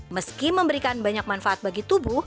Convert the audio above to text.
meski memberikan banyak manfaat bagi tubuh